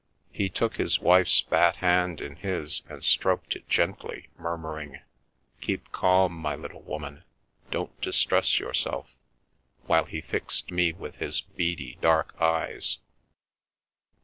He took his wife's fat hand in his and stroked it gently, murmuring, " Keep calm, my little woman ! don't distress yourself 1 " while he fixed me with his beady, dark eyes.